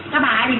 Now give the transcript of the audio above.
các bà ái thì sao